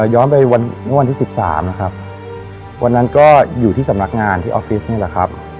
ย้อนไปวันเมื่อวันที่๑๓นะครับวันนั้นก็อยู่ที่สำนักงานที่ออฟฟิศนี่แหละครับ